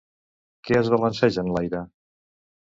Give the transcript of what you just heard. Què es balanceja en l'aire?